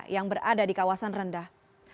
yang berada di kawasan rendah